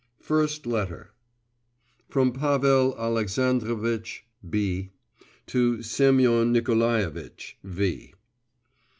FIRST LETTER FROM PAVEL ALEXANDROVITCH B.… TO SEMYON NIKOLAEVITCH V.